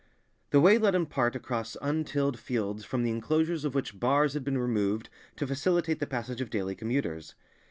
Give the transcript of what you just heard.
The way led in part across untilled fields from the inclosures of which bars had been removed to facilitate the passage of daily commuters.